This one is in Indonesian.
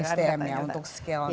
sdm nya untuk skill nya